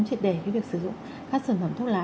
triệt để cái việc sử dụng các sản phẩm thuốc lá